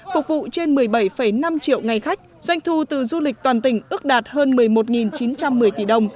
phục vụ trên một mươi bảy năm triệu ngày khách doanh thu từ du lịch toàn tỉnh ước đạt hơn một mươi một chín trăm một mươi tỷ đồng